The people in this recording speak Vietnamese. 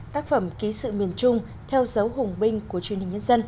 tác phẩm ký sự miền trung theo dấu hùng binh của truyền hình nhân dân